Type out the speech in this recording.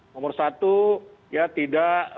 nomor satu ya tidak